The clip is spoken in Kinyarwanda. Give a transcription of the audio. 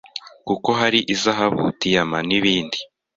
kuko hari iza zahabu, diyama, n’ibindi.